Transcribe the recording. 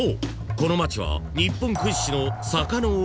この街は日本屈指の］